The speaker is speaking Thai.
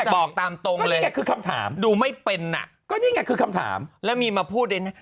บอกตามตรงเลยดูไม่เป็นน่ะก็นี่ไงคือคำถามแล้วมีมาพูดเลยนะ